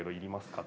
って。